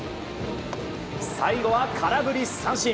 最後は、空振り三振！